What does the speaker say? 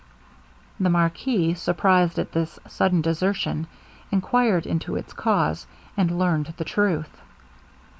The marquis surprized at this sudden desertion, enquired into its cause, and learned the truth.